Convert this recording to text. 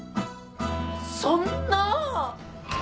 そんな！